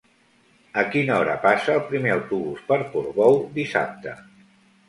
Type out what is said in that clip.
A quina hora passa el primer autobús per Portbou dissabte?